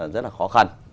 rất là khó khăn